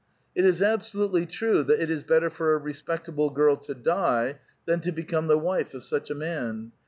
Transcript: It is absolutely true that it is better for a respectable girl to die than to become the wife of such a man.